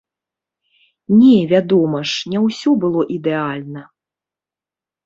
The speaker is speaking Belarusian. Не, вядома ж, не ўсё было ідэальна!